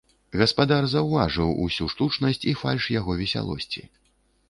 Гаспадар заўважыў усю штучнасць і фальш яго весялосці.